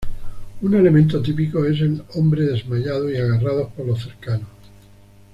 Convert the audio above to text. Un elemento típico es el hombre desmayado y agarrados por los cercanos.